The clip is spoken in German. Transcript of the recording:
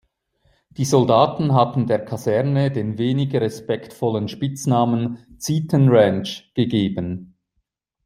Die Soldaten hatten der Kaserne den wenig respektvollen Spitznamen „Zieten-Ranch“ gegeben.